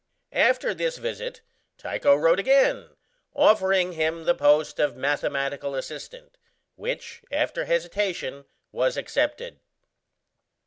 After this visit, Tycho wrote again, offering him the post of mathematical assistant, which after hesitation was accepted.